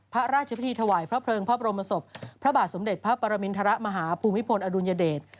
พระราชพิธีถวายพระเพลิงพระบรมศพพระบาทสมเด็จพระปรมินทรมาฮภูมิพลอดุลยเดช